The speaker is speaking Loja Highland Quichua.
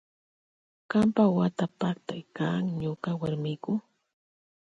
Kampa wata paktay kan ñuka warmiku.